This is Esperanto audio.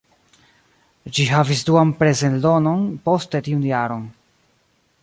Ĝi havis duan preseldonon poste tiun jaron.